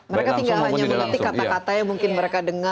mereka tinggal hanya mengerti kata katanya mungkin mereka dengar